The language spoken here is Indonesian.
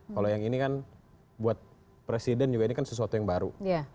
kalau yang ini kan buat presiden juga ini kan sesuatu yang baru